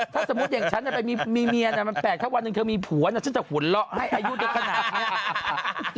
ถ้าสมมุติอย่างฉันไปมีเมียมันแปลกถ้าวันหนึ่งเธอมีผัวฉันจะหัวเราะให้อายุได้ขนาดนี้